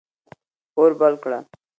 اور بل کړه.